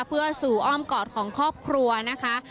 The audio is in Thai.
เพื่อสู่อ้อมกอดของครอบครัวนะคะ